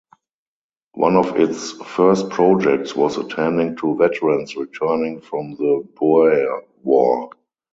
One of its first projects was attending to veterans returning from the Boer War.